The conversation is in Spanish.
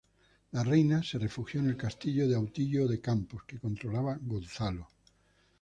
La reina se refugió en el castillo de Autillo de Campos que controlaba Gonzalo.